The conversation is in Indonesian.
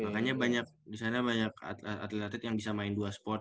makanya banyak di sana banyak atlet atlet yang bisa main dua sport